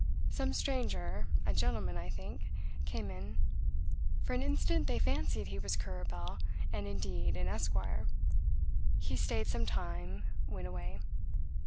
Some stranger (a gentleman, I think) came in; for an instant they fancied he was Currer Bell, and indeed an Esq.; he stayed some time went away.